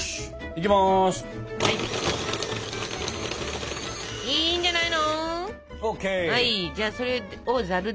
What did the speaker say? いいんじゃない？